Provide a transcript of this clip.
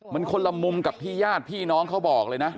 มันคนละมุมกับที่ญาติพี่น้องเขาบอกเลยนะ